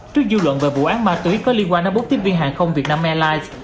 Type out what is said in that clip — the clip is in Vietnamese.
trước dư luận về vụ án ma túy có liên quan đến bốn tiếp viên hàng không vietnam airlines